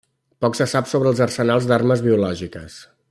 Poc se sap sobre els arsenals d'armes biològiques.